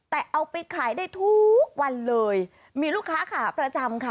แต่เอาไปขายได้ทุกวันเลยมีลูกค้าขาประจำค่ะ